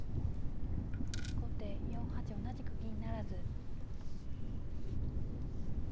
後手４八同じく銀不成。